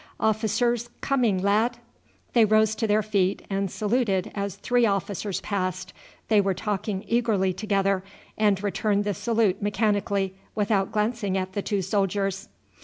Officers coming, lad!" They rose to their feet and saluted as three officers passed. They were talking eagerly together, and returned the salute mechanically without glancing at the two soldiers.